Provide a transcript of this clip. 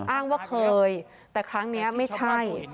อ้างว่าเคยแต่ครั้งนี้ไม่ใช่